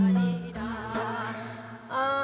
ああ